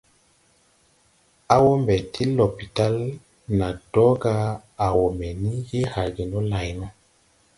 A wɔɔ ɓɛ ti lɔpital na dɔga a wɔ ɓɛ ni je halge ne lay no.